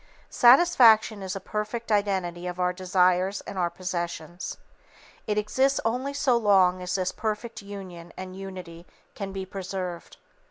Satisfaction is perfect identity of our desires and our possessions. It exists only so long as this perfect union and unity can be preserved.